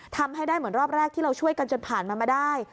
ทำให้ได้เหมือนรอบแรกที่เราช่วยกันจนผ่านมามาได้